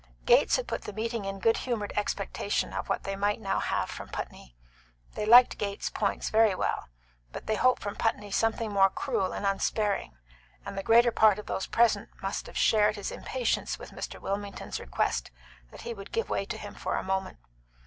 Gates had put the meeting in good humoured expectation of what they might now have from Putney. They liked Gates's points very well, but they hoped from Putney something more cruel and unsparing, and the greater part of those present must have shared his impatience with Mr. Wilmington's request that he would give way to him for a moment.